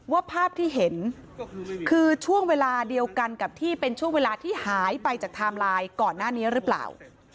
ว่าภาพที่เห็นคือช่วงเวลาเดียวกันกับที่เป็นช่วงเวลาที่หายไปจากไทม์ไลน์ก่อนหน้านี้หรือเปล่า